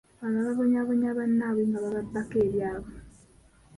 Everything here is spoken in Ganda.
Abalala babonyaabonya bannaabwe nga bababbako ebyabwe.